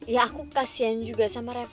ya aku kasihan juga sama reva